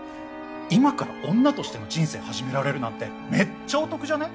今から女としての人生始められるなんてめっちゃお得じゃね？